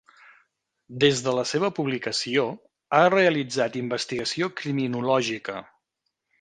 Des de la seva publicació, ha realitzat investigació criminològica.